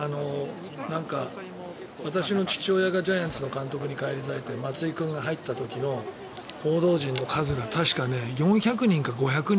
私の父親がジャイアンツの監督に返り咲いて松井君が入った時の報道陣の数が確か４００人か５００人